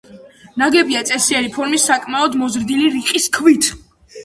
ნაგებია წესიერი ფორმის, საკმაოდ მოზრდილი რიყის ქვით.